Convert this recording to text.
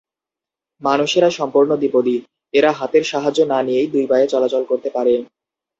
মানুষেরা সম্পূর্ণ দ্বিপদী; এরা হাতের সাহায্য না নিয়েই দুই পায়ে চলাচল করতে পারে।